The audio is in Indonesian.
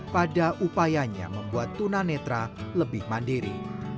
pada upayanya membuat tunanetra lebih mandiri